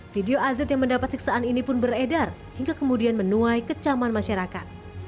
video az yang mendapat siksaan ini pun beredar hingga kemudian menuai kecaman masyarakat